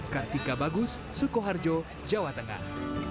kartika bagus sukoharjo jawa tengah